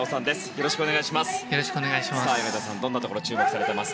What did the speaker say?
よろしくお願いします。